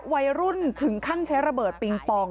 วัยรุ่นถึงขั้นใช้ระเบิดปิงปอง